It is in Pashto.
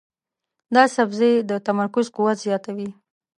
دا سبزی د تمرکز قوت زیاتوي.